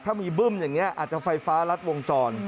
ถ้ามีบึ้มอย่างนี้อาจจะไฟฟ้ารัดวงจร